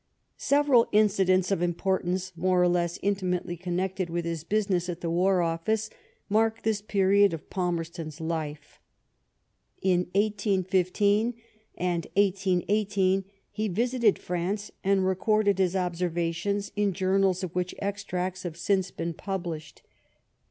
Several incidents of importance, more or less inti mately connected with his business at the War Office, mark this period of Palmerston's life. In 1815 and 1818, he visited France and recorded his observations in journals, of which extracts have since been published.